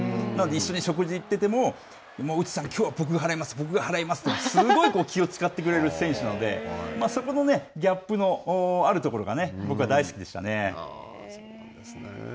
一緒に食事に行ってても、もう内さん、きょうは僕が払います、僕が払いますって、すごい気を使ってくれる選手なのでそこのギャップのあるところがね、僕は大好きでしたね。